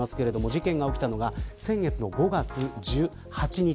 事件が起きたのが先月の５月１８日。